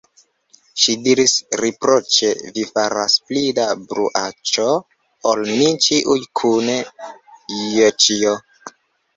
Ŝi diris riproĉe: "Vi faras pli da bruaĉo ol ni ĉiuj kune, Joĉjo".